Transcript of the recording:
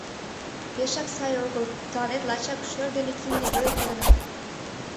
— Пешак сай огыл, тыланет лачак шӧр ден кинде веле кодыныт.